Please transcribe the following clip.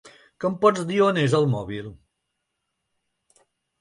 Que em pots dir on és el mòbil?